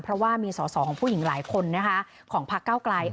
เพราะว่ามีสอสอของผู้หญิงหลายคนนะคะของพักเก้าไกล